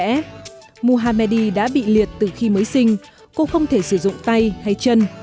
nghệ sĩ mohamedi đã bị liệt từ khi mới sinh cô không thể sử dụng tay hay chân